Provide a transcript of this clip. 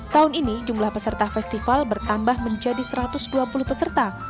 tahun ini jumlah peserta festival bertambah menjadi satu ratus dua puluh peserta